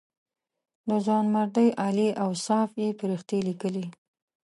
د ځوانمردۍ عالي اوصاف یې فرښتې لیکلې.